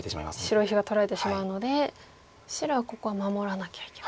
白石が取られてしまうので白はここは守らなきゃいけないと。